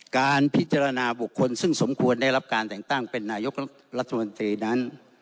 การพิจารณาบุคคลซึ่งสมควรได้รับการแต่งตั้งเป็นนายกรัฐมนตรีนั้น